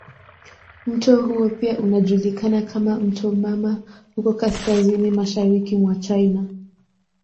Mto huo pia unajulikana kama "mto mama" huko kaskazini mashariki mwa China.